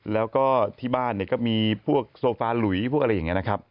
แล้วก็ที่บ้านเนี่ยก็มีพวกโซฟาหลุยพวกอะไรอย่างนี้นะครับ